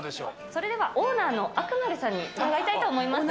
それではオーナーのアクマルさんに伺いたいと思います。